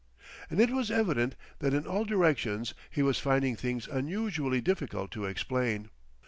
And it was evident that in all directions he was finding things unusually difficult to explain.